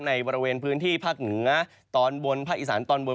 ในบริเวณพื้นที่ภาคเหนือตอนบนภาคอีสานตอนบน